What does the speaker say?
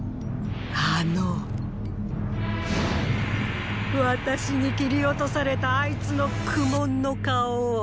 あのーー私に斬り落とされたあいつの苦悶の顔を。